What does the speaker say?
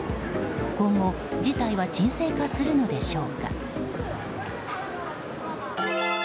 今後、事態は沈静化するのでしょうか。